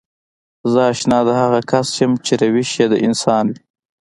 زه اشنا د هغه کس يم چې روش يې د انسان وي.